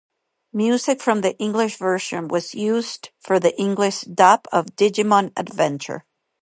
Music from the English version was used for the English dub of "Digimon Adventure".